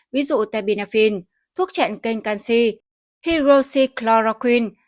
ví dụ tabinaphine thuốc chẹn kênh canxi hyrosichloroquine